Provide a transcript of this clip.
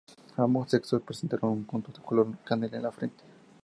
Ambos sexos presentan un punto color canela en la frente.